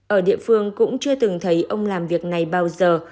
ở địa phương cũng chưa từng thấy ông làm việc này bao giờ